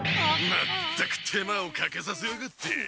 まったく手間をかけさせやがって。